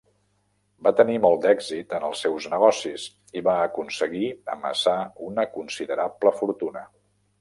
Va tenir molt d'èxit en els seus negocis i va aconseguir amassar una considerable fortuna.